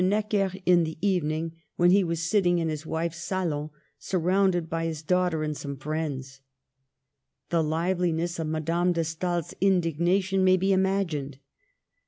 Necker in the evening, when he was sitting in his wife's salon, surround ed by his daughter and some friends. The live liness of Madame de Stael's indignation may be imagined.